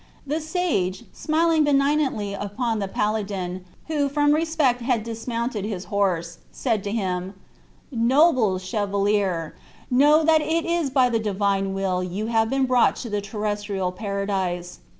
The sage, smiling benignantly upon the paladin, who from respect had dismounted from his horse, said to him: "Noble chevalier, know that it is by the Divine will you have been brought to the terrestrial paradise.